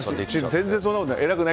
全然そんなことない。